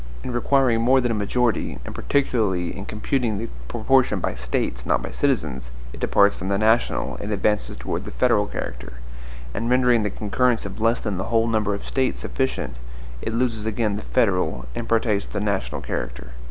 In requiring more than a majority, and particularly in computing the proportion by STATES, not by CITIZENS, it departs from the NATIONAL and advances towards the FEDERAL character; in rendering the concurrence of less than the whole number of States sufficient, it loses again the FEDERAL and partakes of the NATIONAL character.